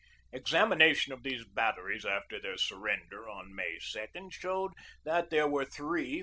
Examination of these batteries after their surren der on May 2 showed that there were three 5.